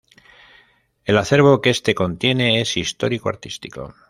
El acervo que este contiene es Histórico-Artístico.